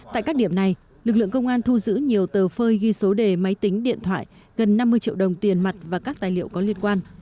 tại các điểm này lực lượng công an thu giữ nhiều tờ phơi ghi số đề máy tính điện thoại gần năm mươi triệu đồng tiền mặt và các tài liệu có liên quan